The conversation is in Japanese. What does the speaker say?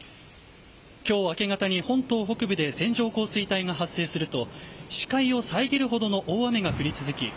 今日は明け方に本島北部で線状降水帯が発生すると視界を遮るほどの大雨が降り続き